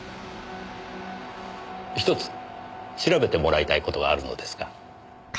ひとつ調べてもらいたい事があるのですが。